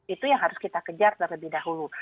itu yang harus kita kejar terlebih dahulu